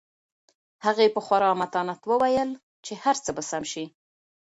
هغې په خورا متانت وویل چې هر څه به سم شي.